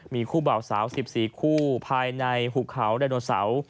มีคู่เบาสาว๑๔คู่ภายในหุบเขาไดโนเสาร์